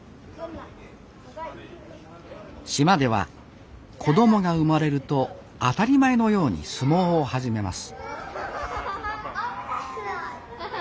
島では子どもが生まれると当たり前のように相撲を始めます